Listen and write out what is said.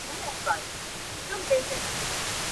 تاریخي آثار د هغې اتلولي تائیدوي.